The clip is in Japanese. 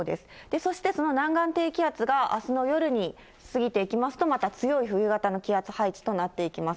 そしてその南岸低気圧が、あすの夜に過ぎていきますと、また強い冬型の気圧配置となっていきます。